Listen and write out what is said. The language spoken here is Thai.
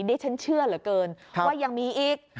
ดิฉันเชื่อเหลือเกินว่ายังมีอีก